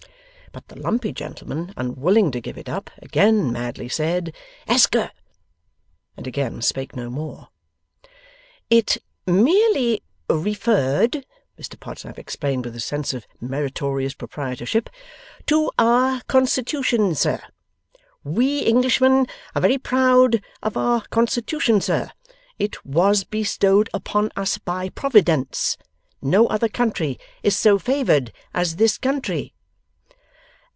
But the lumpy gentleman, unwilling to give it up, again madly said, 'ESKER,' and again spake no more. 'It merely referred,' Mr Podsnap explained, with a sense of meritorious proprietorship, 'to Our Constitution, Sir. We Englishmen are Very Proud of our Constitution, Sir. It Was Bestowed Upon Us By Providence. No Other Country is so Favoured as This Country.